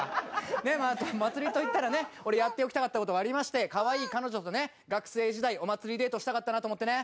まあ祭りといったらね俺やっておきたかった事がありましてかわいい彼女とね学生時代お祭りデートしたかったなと思ってね。